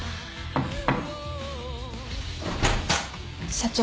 ・社長。